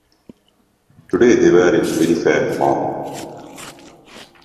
Today they were in very fair form.